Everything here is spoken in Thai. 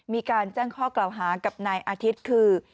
มีการแจ้งข้อกล่าวหากับนายอาทิตย์คือ